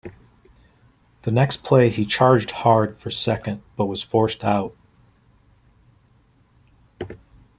The next play he charged hard for second but was forced out.